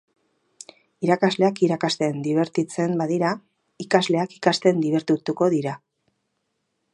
Irakasleak irakasten dibertitzen badira, ikasleak ikasten dibertituko dira.